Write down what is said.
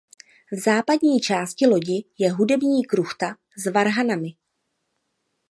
V západní části lodi je hudební kruchta s varhanami.